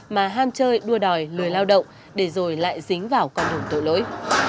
mà ham chơi đua đòi lười lao động để rồi lại dính vào con đường tội lỗi